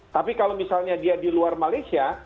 tapi kalau misalnya dia di luar malaysia